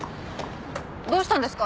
どうしたんですか？